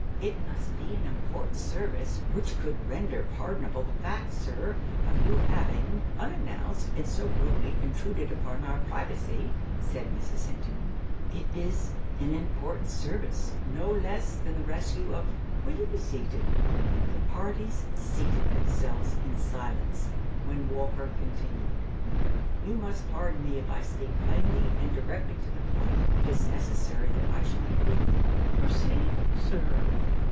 "It must be an important service which could render pardonable the fact, sir, of you having, unannounced, and so rudely, intruded upon our privacy," said Mrs. Hinton. "It is an important service. No less than the rescue of——will you be seated?" The parties seated themselves in silence, when Walker continued: "You must pardon me if I speak plainly, and directly to the point. It is necessary that I should be brief." "Proceed, sir."